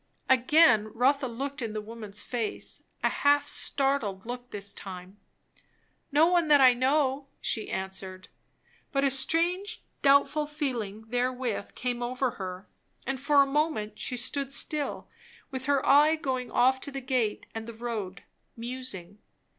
Again Rotha looked in the woman's face, a half startled look this time. "No one, that I know," she answered. But a strange, doubtful feeling therewith came over her, and for a moment she stood still, with her eye going off to the gate and the road, musing.